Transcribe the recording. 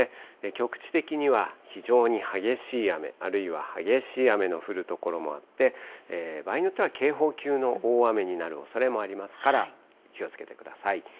局地的には非常に激しい雨、あるいは激しい雨の降る所もあって、場合によっては警報級の大雨になるおそれもありますから、気をつけてください。